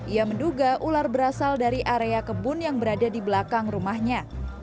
ia menduga ular berasal dari area kebun yang berada di belakang rumahnya